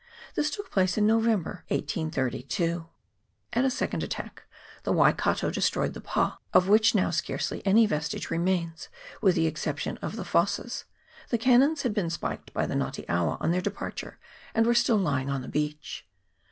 This took place in November,, 1832. At a second attack the Waikato destroyed the pa, of which now scarcely any vestige remains, with the exception of the fosses; the cannons had been spiked by the Nga te awa on their departure, and were still lying on the beach.